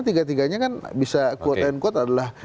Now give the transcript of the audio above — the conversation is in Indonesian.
tiga tiganya kan bisa quote end quote adalah